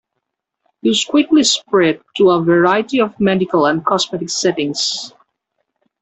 Use quickly spread to a variety of medical and cosmetic settings.